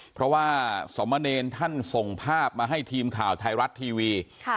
เพราะว่าสมเนรท่านส่งภาพมาให้ทีมข่าวไทยรัฐทีวี